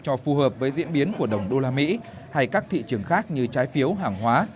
cho phù hợp với diễn biến của đồng đô la mỹ hay các thị trường khác như trái phiếu hàng hóa